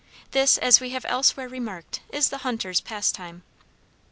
This, as we have elsewhere remarked, is the hunters' pastime.